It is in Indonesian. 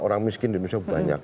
orang miskin di indonesia banyak